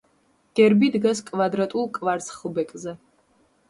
გერბი დგას კვადრატულ კვარცხლბეკზე.